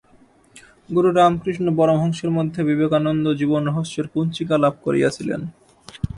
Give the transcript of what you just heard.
গুরু রামকৃষ্ণ পরমহংসের মধ্যে বিবেকানন্দ জীবন-রহস্যের কুঞ্চিকা লাভ করিয়াছিলেন।